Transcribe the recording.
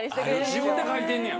自分で書いてんねや？